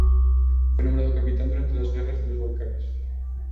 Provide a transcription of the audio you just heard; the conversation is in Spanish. Fue nombrado capitán durante las guerras de los Balcanes.